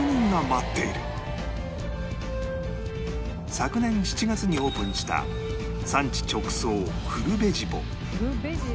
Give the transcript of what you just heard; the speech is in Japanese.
昨年７月にオープンしたフルベジポ？